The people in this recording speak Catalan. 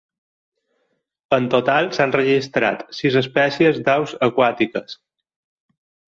En total, s'han registrat sis espècies d'aus aquàtiques.